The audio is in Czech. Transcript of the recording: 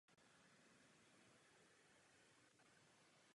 A nyní se dostávám k dohodám o hospodářském partnerství.